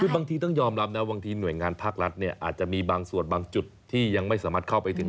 คือบางทีต้องยอมรับนะบางทีหน่วยงานภาครัฐเนี่ยอาจจะมีบางส่วนบางจุดที่ยังไม่สามารถเข้าไปถึง